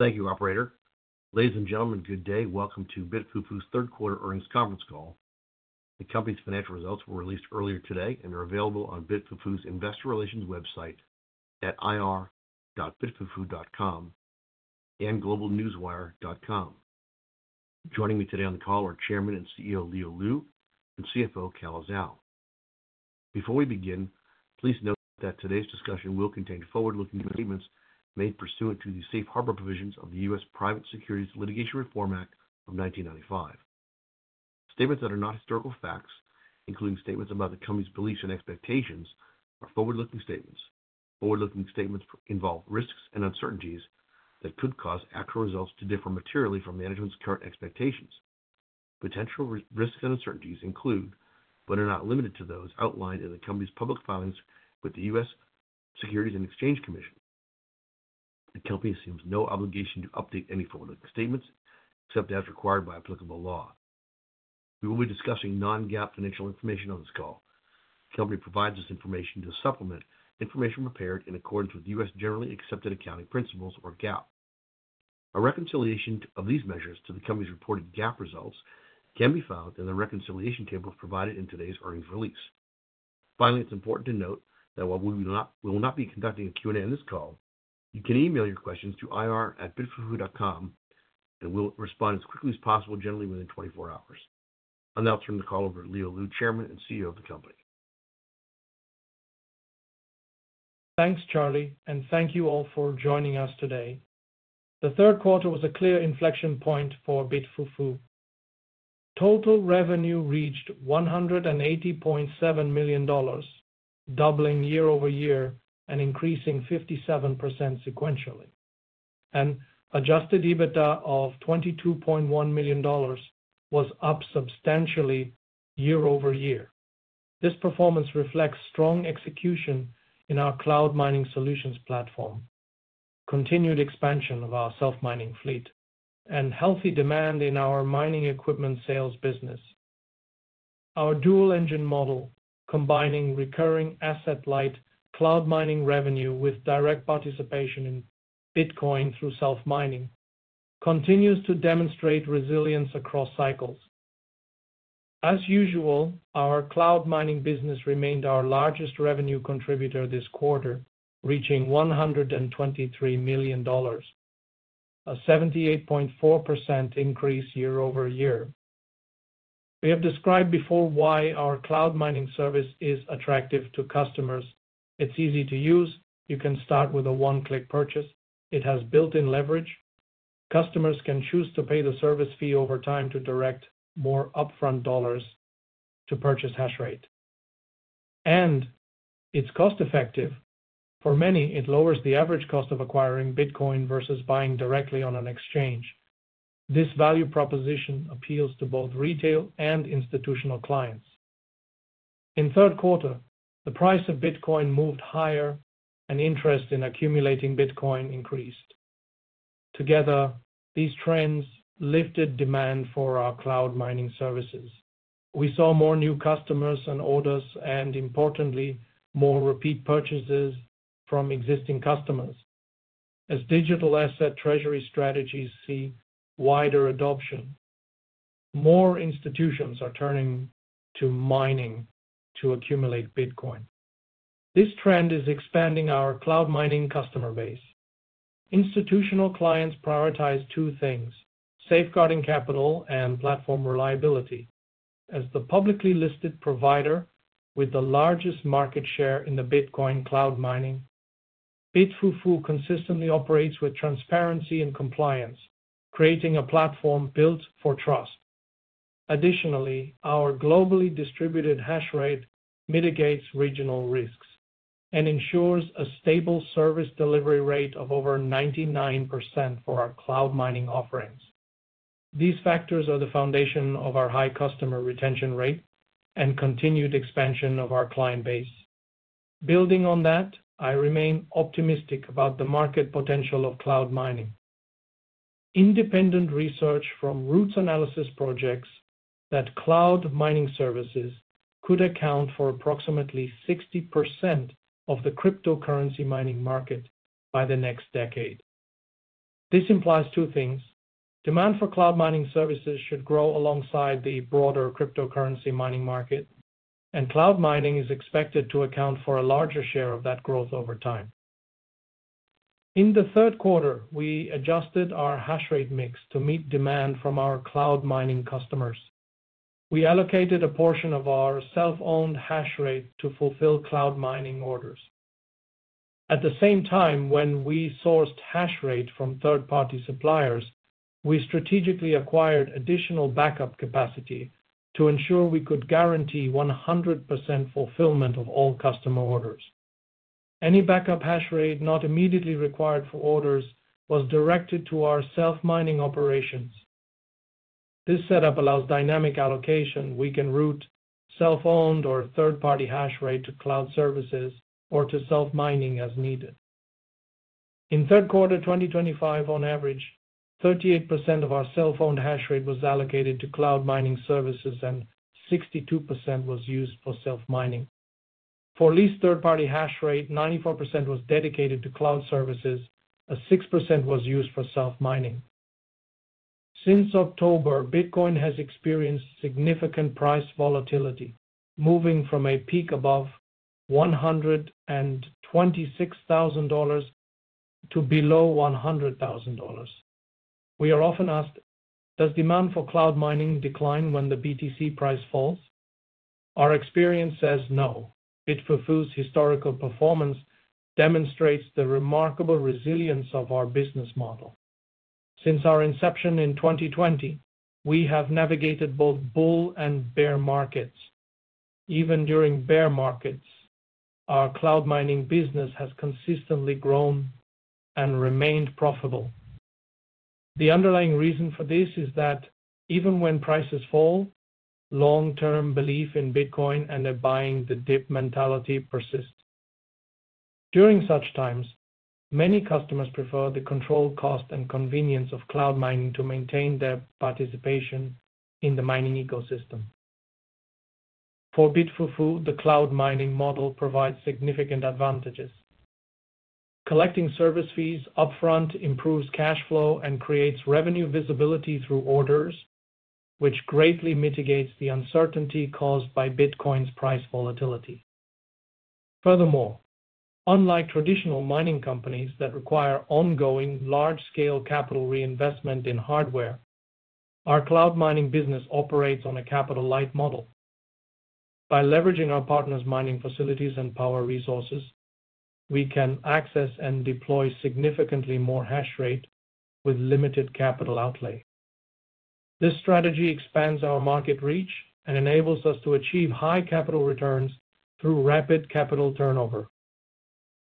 Thank you, Operator. Ladies and gentlemen, good day, welcome to BitFuFu's Third Quarter Earnings Conference Call. The company's financial results were released earlier today and are available on BitFuFu's investor relations website at ir.bitfufu.com and globalnewswire.com. Joining me today on the call are Chairman and CEO Leo Lu and CFO Calla Zhao. Before we begin, please note that today's discussion will contain forward-looking statements made pursuant to the safe harbor provisions of the US Private Securities Litigation Reform Act of 1995. Statements that are not historical facts, including statements about the company's beliefs and expectations, are forward-looking statements. Forward-looking statements involve risks and uncertainties that could cause actual results to differ materially from management's current expectations. Potential risks and uncertainties include, but are not limited to, those outlined in the company's public filings with the US Securities and Exchange Commission. The company assumes no obligation to update any forward-looking statements except as required by applicable law. We will be discussing non-GAAP financial information on this call. The company provides this information to supplement information prepared in accordance with US generally accepted accounting principles, or GAAP. A reconciliation of these measures to the company's reported GAAP results can be found in the reconciliation tables provided in today's earnings release. Finally, it's important to note that while we will not be conducting a Q&A on this call, you can email your questions to ir.bitfufu.com, and we'll respond as quickly as possible, generally within 24 hours. I'll now turn the call over to Leo Lu, Chairman and CEO of the company. Thanks, Charley, and thank you all for joining us today. The third quarter was a clear inflection point for BitFuFu. Total revenue reached $180.7 million, doubling year-over-year and increasing 57% sequentially. An adjusted EBITDA of $22.1 million was up substantially year-over-year. This performance reflects strong execution in our cloud mining solutions platform, continued expansion of our self-mining fleet, and healthy demand in our mining equipment sales business. Our dual-engine model, combining recurring asset-light cloud mining revenue with direct participation in Bitcoin through self-mining, continues to demonstrate resilience across cycles. As usual, our cloud mining business remained our largest revenue contributor this quarter, reaching $123 million, a 78.4% increase year-over-year. We have described before why our cloud mining service is attractive to customers. It's easy to use; you can start with a one-click purchase. It has built-in leverage. Customers can choose to pay the service fee over time to direct more upfront dollars to purchase hash rate. It is cost-effective. For many, it lowers the average cost of acquiring Bitcoin versus buying directly on an exchange. This value proposition appeals to both retail and institutional clients. In third quarter, the price of Bitcoin moved higher, and interest in accumulating Bitcoin increased. Together, these trends lifted demand for our cloud mining services. We saw more new customers and orders, and importantly, more repeat purchases from existing customers as digital asset treasury strategies see wider adoption. More institutions are turning to mining to accumulate Bitcoin. This trend is expanding our cloud mining customer base. Institutional clients prioritize two things: safeguarding capital and platform reliability. As the publicly listed provider with the largest market share in the Bitcoin cloud mining, BitFuFu consistently operates with transparency and compliance, creating a platform built for trust. Additionally, our globally distributed hash rate mitigates regional risks and ensures a stable service delivery rate of over 99% for our cloud mining offerings. These factors are the foundation of our high customer retention rate and continued expansion of our client base. Building on that, I remain optimistic about the market potential of cloud mining. Independent research from Roots Analysis projects that cloud mining services could account for approximately 60% of the cryptocurrency mining market by the next decade. This implies two things: demand for cloud mining services should grow alongside the broader cryptocurrency mining market, and cloud mining is expected to account for a larger share of that growth over time. In the third quarter, we adjusted our hash rate mix to meet demand from our cloud mining customers. We allocated a portion of our self-owned hash rate to fulfill cloud mining orders. At the same time, when we sourced hash rate from third-party suppliers, we strategically acquired additional backup capacity to ensure we could guarantee 100% fulfillment of all customer orders. Any backup hash rate not immediately required for orders was directed to our self-mining operations. This setup allows dynamic allocation. We can route self-owned or third-party hash rate to cloud services or to self-mining as needed. In third quarter 2025, on average, 38% of our self-owned hash rate was allocated to cloud mining services, and 62% was used for self-mining. For leased third-party hash rate, 94% was dedicated to cloud services, and 6% was used for self-mining. Since October, Bitcoin has experienced significant price volatility, moving from a peak above $126,000 to below $100,000. We are often asked, does demand for cloud mining decline when the BTC price falls? Our experience says no. BitFuFu's historical performance demonstrates the remarkable resilience of our business model. Since our inception in 2020, we have navigated both bull and bear markets. Even during bear markets, our cloud mining business has consistently grown and remained profitable. The underlying reason for this is that even when prices fall, long-term belief in Bitcoin and a buying-the-dip mentality persist. During such times, many customers prefer the controlled cost and convenience of cloud mining to maintain their participation in the mining ecosystem. For BitFuFu, the cloud mining model provides significant advantages. Collecting service fees upfront improves cash flow and creates revenue visibility through orders, which greatly mitigates the uncertainty caused by Bitcoin's price volatility. Furthermore, unlike traditional mining companies that require ongoing large-scale capital reinvestment in hardware, our cloud mining business operates on a capital-light model. By leveraging our partners' mining facilities and power resources, we can access and deploy significantly more hash rate with limited capital outlay. This strategy expands our market reach and enables us to achieve high capital returns through rapid capital turnover.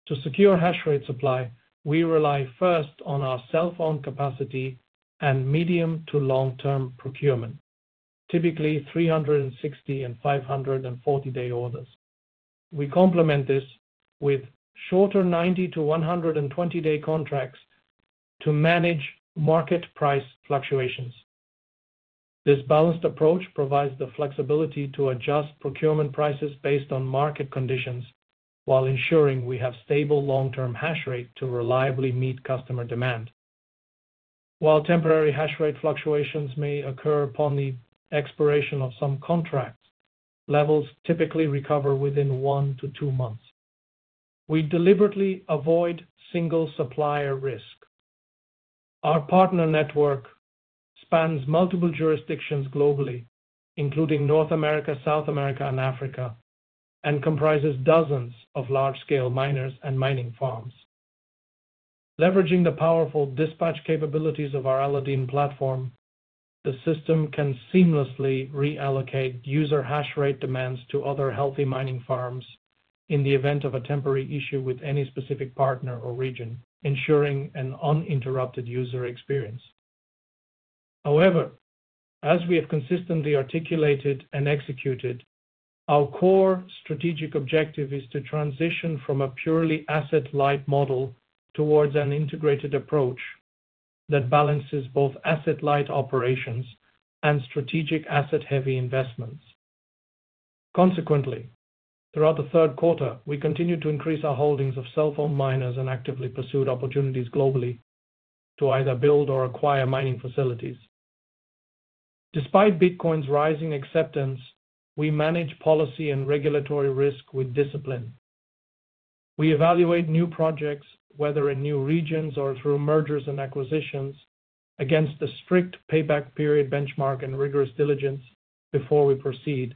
To secure hash rate supply, we rely first on our self-owned capacity and medium to long-term procurement, typically 360 and 540-day orders. We complement this with shorter 90-120 day contracts to manage market price fluctuations. This balanced approach provides the flexibility to adjust procurement prices based on market conditions while ensuring we have stable long-term hash rate to reliably meet customer demand. While temporary hash rate fluctuations may occur upon the expiration of some contracts, levels typically recover within one to two months. We deliberately avoid single supplier risk. Our partner network spans multiple jurisdictions globally, including North America, South America, and Africa, and comprises dozens of large-scale miners and mining farms. Leveraging the powerful dispatch capabilities of our Aladdin platform, the system can seamlessly reallocate user hash rate demands to other healthy mining farms in the event of a temporary issue with any specific partner or region, ensuring an uninterrupted user experience. However, as we have consistently articulated and executed, our core strategic objective is to transition from a purely asset-light model towards an integrated approach that balances both asset-light operations and strategic asset-heavy investments. Consequently, throughout the third quarter, we continue to increase our holdings of self-owned miners and actively pursue opportunities globally to either build or acquire mining facilities. Despite Bitcoin's rising acceptance, we manage policy and regulatory risk with discipline. We evaluate new projects, whether in new regions or through mergers and acquisitions, against a strict payback period benchmark and rigorous diligence before we proceed.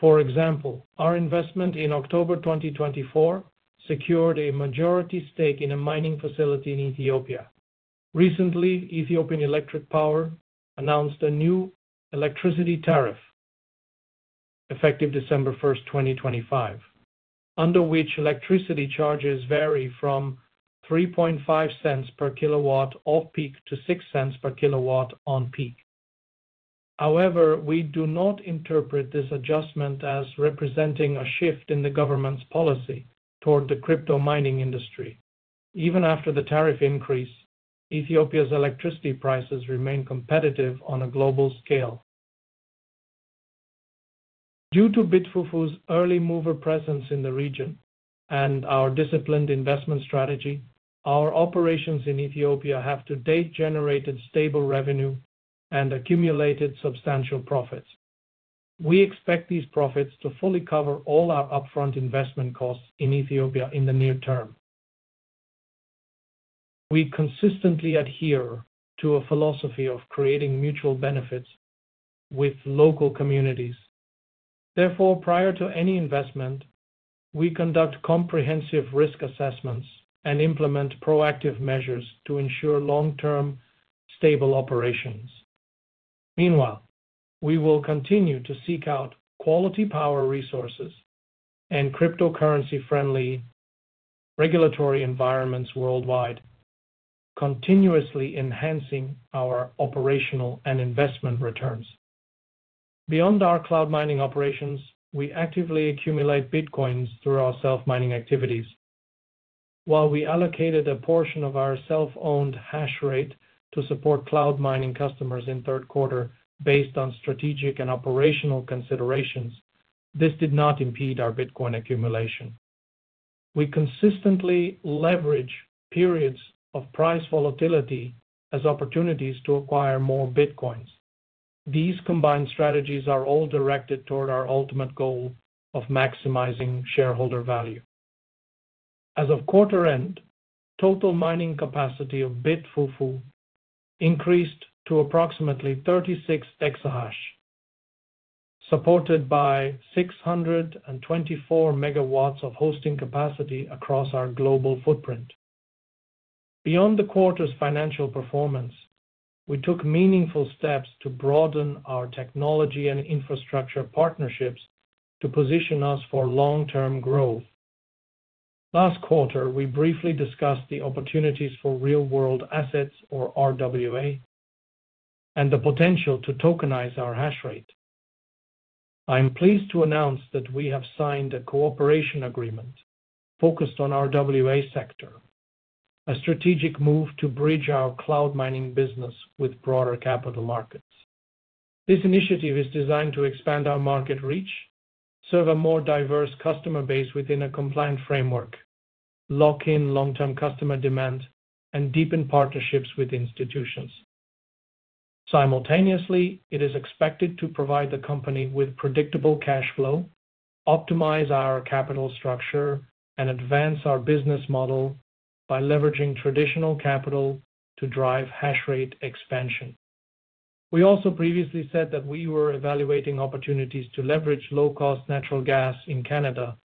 For example, our investment in October 2024 secured a majority stake in a mining facility in Ethiopia. Recently, Ethiopian Electric Power announced a new electricity tariff, effective 1st December 2025, under which electricity charges vary from $0.035 per kilowatt off-peak to $0.06 per kilowatt on-peak. However, we do not interpret this adjustment as representing a shift in the government's policy toward the crypto mining industry. Even after the tariff increase, Ethiopia's electricity prices remain competitive on a global scale. Due to BitFuFu's early-mover presence in the region and our disciplined investment strategy, our operations in Ethiopia have to date generated stable revenue and accumulated substantial profits. We expect these profits to fully cover all our upfront investment costs in Ethiopia in the near term. We consistently adhere to a philosophy of creating mutual benefits with local communities. Therefore, prior to any investment, we conduct comprehensive risk assessments and implement proactive measures to ensure long-term stable operations. Meanwhile, we will continue to seek out quality power resources and cryptocurrency-friendly regulatory environments worldwide, continuously enhancing our operational and investment returns. Beyond our cloud mining operations, we actively accumulate Bitcoins through our self-mining activities. While we allocated a portion of our self-owned hash rate to support cloud mining customers in third quarter based on strategic and operational considerations, this did not impede our Bitcoin accumulation. We consistently leverage periods of price volatility as opportunities to acquire more Bitcoins. These combined strategies are all directed toward our ultimate goal of maximizing shareholder value. As of quarter end, total mining capacity of BitFuFu increased to approximately 36 exahash, supported by 624 MW of hosting capacity across our global footprint. Beyond the quarter's financial performance, we took meaningful steps to broaden our technology and infrastructure partnerships to position us for long-term growth. Last quarter, we briefly discussed the opportunities for real-world assets, or RWA, and the potential to tokenize our hash rate. I am pleased to announce that we have signed a cooperation agreement focused on RWA sector, a strategic move to bridge our cloud mining business with broader capital markets. This initiative is designed to expand our market reach, serve a more diverse customer base within a compliant framework, lock in long-term customer demand, and deepen partnerships with institutions. Simultaneously, it is expected to provide the company with predictable cash flow, optimize our capital structure, and advance our business model by leveraging traditional capital to drive hash rate expansion. We also previously said that we were evaluating opportunities to leverage low-cost natural gas in Canada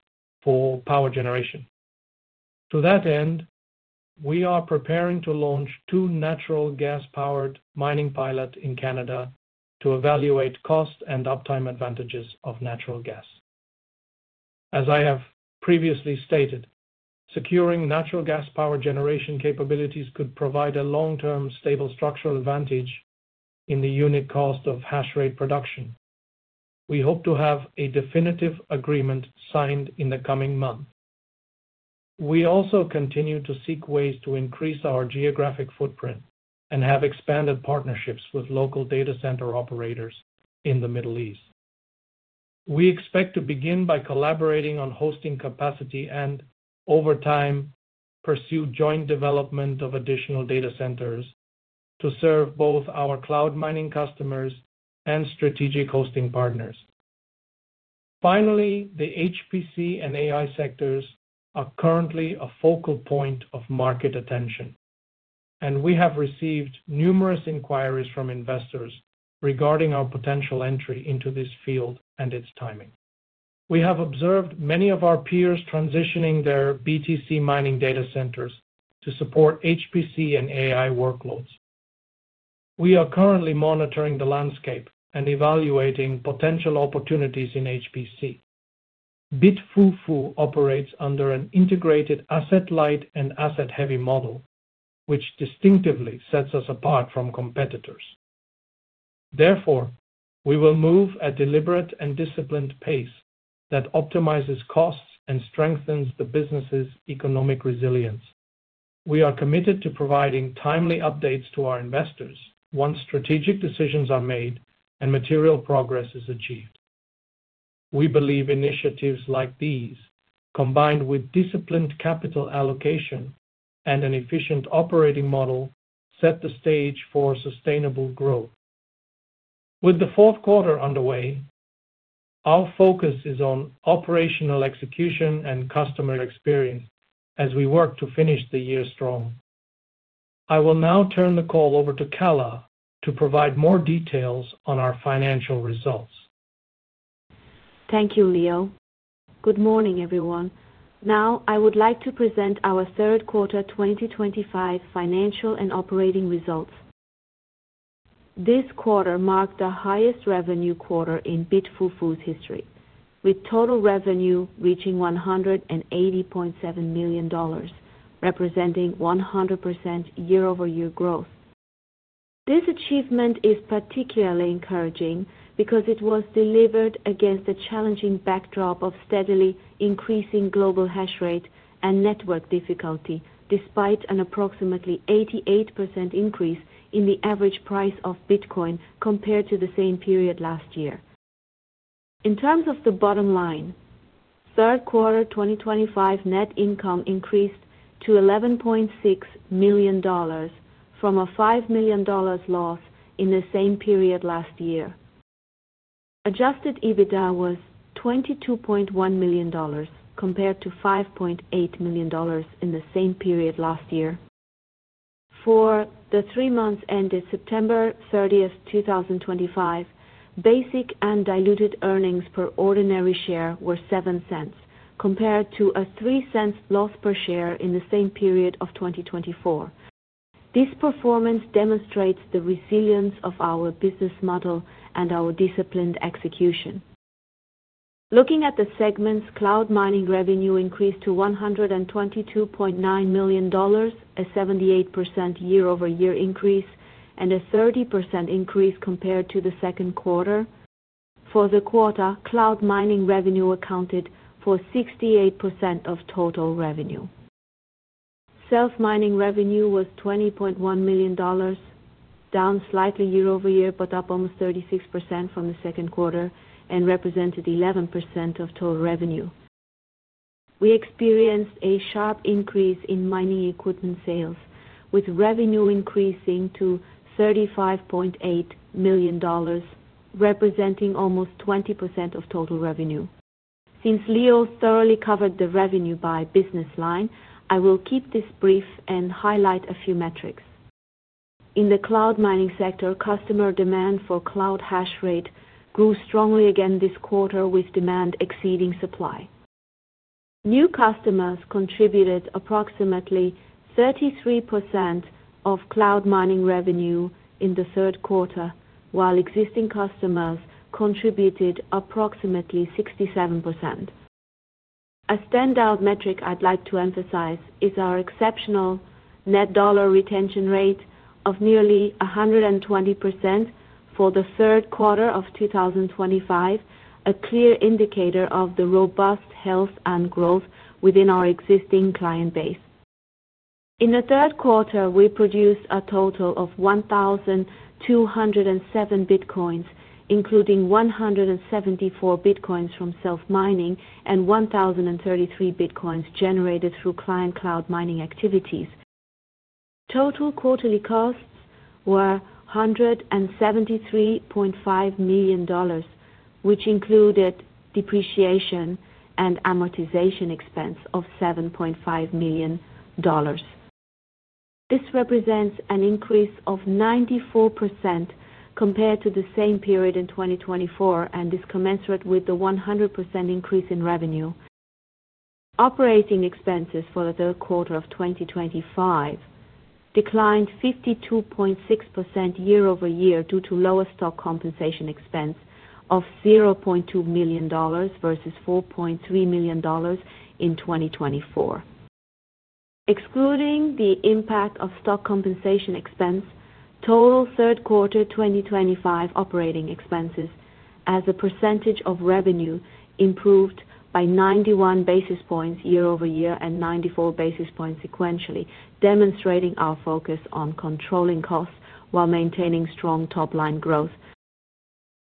for power generation. To that end, we are preparing to launch two natural gas-powered mining pilots in Canada to evaluate cost and uptime advantages of natural gas. As I have previously stated, securing natural gas power generation capabilities could provide a long-term stable structural advantage in the unit cost of hash rate production. We hope to have a definitive agreement signed in the coming month. We also continue to seek ways to increase our geographic footprint and have expanded partnerships with local data center operators in the Middle East. We expect to begin by collaborating on hosting capacity and, over time, pursue joint development of additional data centers to serve both our cloud mining customers and strategic hosting partners. Finally, the HPC and AI sectors are currently a focal point of market attention, and we have received numerous inquiries from investors regarding our potential entry into this field and its timing. We have observed many of our peers transitioning their BTC mining data centers to support HPC and AI workloads. We are currently monitoring the landscape and evaluating potential opportunities in HPC. BitFuFu operates under an integrated asset-light and asset-heavy model, which distinctively sets us apart from competitors. Therefore, we will move at a deliberate and disciplined pace that optimizes costs and strengthens the business's economic resilience. We are committed to providing timely updates to our investors once strategic decisions are made and material progress is achieved. We believe initiatives like these, combined with disciplined capital allocation and an efficient operating model, set the stage for sustainable growth. With the fourth quarter underway, our focus is on operational execution and customer experience as we work to finish the year strong. I will now turn the call over to Calla to provide more details on our financial results. Thank you, Leo. Good morning, everyone. Now, I would like to present our third quarter 2025 financial and operating results. This quarter marked the highest revenue quarter in BitFuFu's history, with total revenue reaching $180.7 million, representing 100% year-over-year growth. This achievement is particularly encouraging because it was delivered against a challenging backdrop of steadily increasing global hash rate and network difficulty, despite an approximately 88% increase in the average price of Bitcoin compared to the same period last year. In terms of the bottom line, third quarter 2025 net income increased to $11.6 million from a $5 million loss in the same period last year. Adjusted EBITDA was $22.1 million compared to $5.8 million in the same period last year. For the three months ended September 30, 2025, basic and diluted earnings per ordinary share were $0.07, compared to a $0.03 loss per share in the same period of 2024. This performance demonstrates the resilience of our business model and our disciplined execution. Looking at the segments, cloud mining revenue increased to $122.9 million, a 78% year-over-year increase and a 30% increase compared to the second quarter. For the quarter, cloud mining revenue accounted for 68% of total revenue. Self-mining revenue was $20.1 million, down slightly year-over-year but up almost 36% from the second quarter, and represented 11% of total revenue. We experienced a sharp increase in mining equipment sales, with revenue increasing to $35.8 million, representing almost 20% of total revenue. Since Leo thoroughly covered the revenue by business line, I will keep this brief and highlight a few metrics. In the cloud mining sector, customer demand for cloud hash rate grew strongly again this quarter, with demand exceeding supply. New customers contributed approximately 33% of cloud mining revenue in the third quarter, while existing customers contributed approximately 67%. A standout metric I'd like to emphasize is our exceptional net dollar retention rate of nearly 120% for the third quarter of 2025, a clear indicator of the robust health and growth within our existing client base. In the third quarter, we produced a total of 1,207 Bitcoins, including 174 Bitcoins from self-mining and 1,033 Bitcoins generated through client cloud mining activities. Total quarterly costs were $173.5 million, which included depreciation and amortization expense of $7.5 million. This represents an increase of 94% compared to the same period in 2024 and is commensurate with the 100% increase in revenue. Operating expenses for the third quarter of 2025 declined 52.6% year-over-year due to lower stock compensation expense of $0.2 million versus $4.3 million in 2024. Excluding the impact of stock compensation expense, total third quarter 2025 operating expenses as a percentage of revenue improved by 91 basis points year-over-year and 94 basis points sequentially, demonstrating our focus on controlling costs while maintaining strong top-line growth.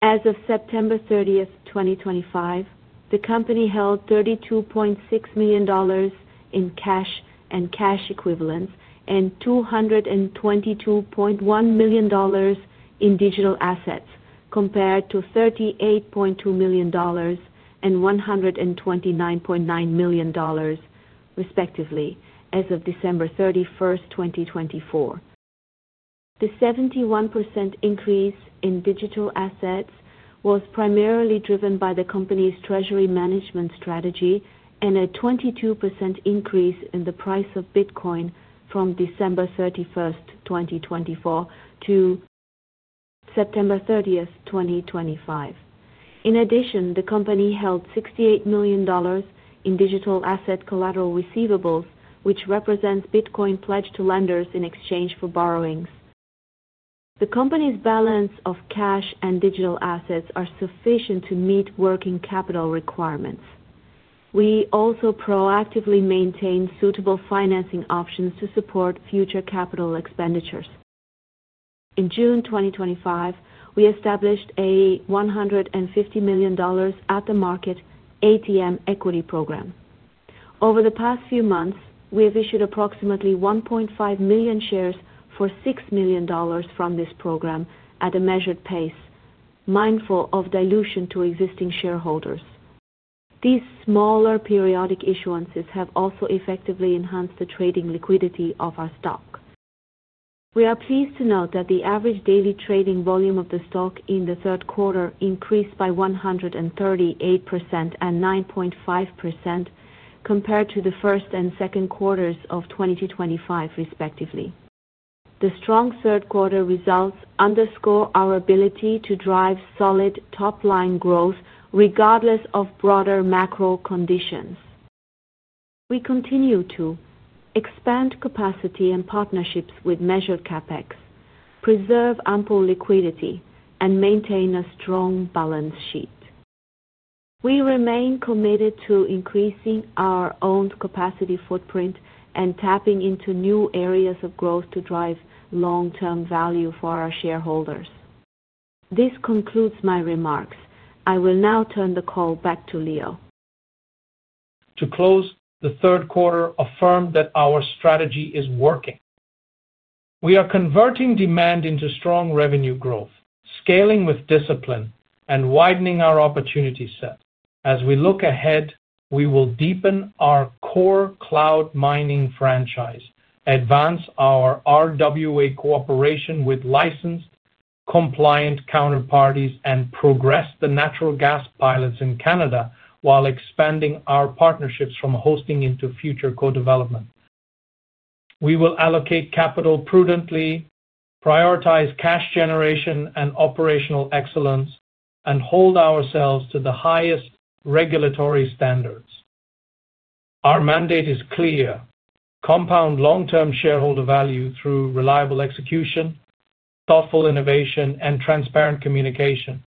As of 30 September 2025, the company held $32.6 million in cash and cash equivalents and $222.1 million in digital assets, compared to $38.2 million and $129.9 million, respectively, as of 31st December 2024. The 71% increase in digital assets was primarily driven by the company's treasury management strategy and a 22% increase in the price of Bitcoin from 31st December 2024, to 30 September 2025. In addition, the company held $68 million in digital asset collateral receivables, which represents Bitcoin pledged to lenders in exchange for borrowings. The company's balance of cash and digital assets is sufficient to meet working capital requirements. We also proactively maintain suitable financing options to support future capital expenditures. In June 2025, we established a $150 million at-the-market ATM equity program. Over the past few months, we have issued approximately 1.5 million shares for $6 million from this program at a measured pace, mindful of dilution to existing shareholders. These smaller periodic issuances have also effectively enhanced the trading liquidity of our stock. We are pleased to note that the average daily trading volume of the stock in the third quarter increased by 138% and 9.5% compared to the first and second quarters of 2025, respectively. The strong third quarter results underscore our ability to drive solid top-line growth regardless of broader macro conditions. We continue to expand capacity and partnerships with measured CapEx, preserve ample liquidity, and maintain a strong balance sheet. We remain committed to increasing our owned capacity footprint and tapping into new areas of growth to drive long-term value for our shareholders. This concludes my remarks. I will now turn the call back to Leo. To close, the third quarter affirmed that our strategy is working. We are converting demand into strong revenue growth, scaling with discipline, and widening our opportunity set. As we look ahead, we will deepen our core cloud mining franchise, advance our RWA cooperation with licensed compliant counterparties, and progress the natural gas pilots in Canada while expanding our partnerships from hosting into future co-development. We will allocate capital prudently, prioritize cash generation and operational excellence, and hold ourselves to the highest regulatory standards. Our mandate is clear: compound long-term shareholder value through reliable execution, thoughtful innovation, and transparent communication.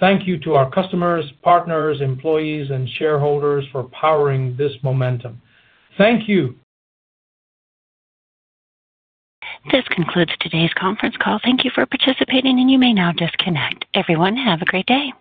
Thank you to our customers, partners, employees, and shareholders for powering this momentum. Thank you. This concludes today's conference call. Thank you for participating, and you may now disconnect. Everyone, have a great day.